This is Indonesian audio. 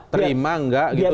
terima enggak gitu